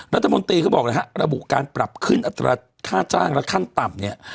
รัฐมนตรีเขาบอกนะฮะระบุการปรับขึ้นอัตราค่าจ้างและขั้นต่ำเนี่ย